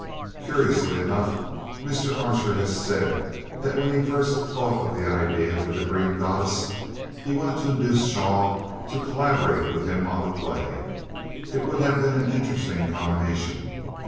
Curiously enough, Mr. Archer has said that when he first thought of the idea for The Green Goddess he wanted to induce Shaw to collaborate with him on the play. It would have been an interesting combination.